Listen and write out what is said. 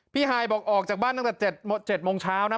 ฮายบอกออกจากบ้านตั้งแต่๗โมงเช้านะ